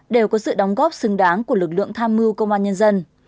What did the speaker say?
đều có sự đóng góp xứng đáng của lực lượng tham mưu công an nhân dân